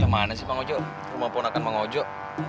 yang mana sih mang ojo rumah keponakan mang ojo